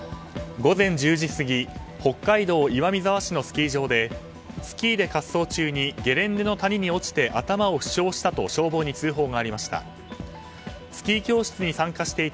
午前１０時過ぎ北海道岩見沢市のスキー場でスキーで滑走中にゲレンデの谷に落ちて頭を負傷したと消防に通報がありました。